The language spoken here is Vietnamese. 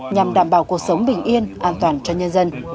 nhằm đảm bảo cuộc sống bình yên an toàn cho nhân dân